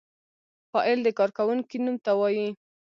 فاعل د کار کوونکی نوم ته وايي.